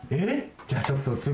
じゃあちょっとつぐみ。